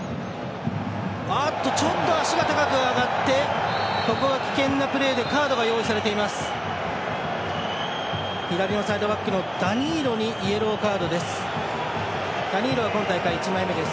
足が高く上がってここは危険なプレーでカードが用意されています。